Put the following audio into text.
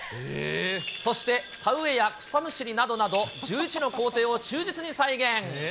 そして田植えや草むしりなどなど、１１の工程を忠実に再現。